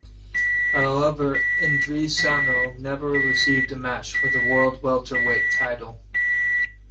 However, Indrisano never received a match for the world welterweight title.